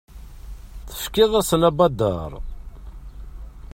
Tefkiḍ-asen abadaṛ.